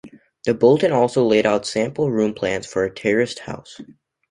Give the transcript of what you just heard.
The bulletin also laid out sample room plans for a terraced house.